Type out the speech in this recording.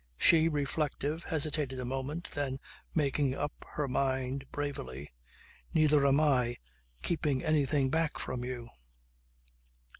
She, reflective, hesitated a moment then making up her mind bravely. "Neither am I keeping anything back from you."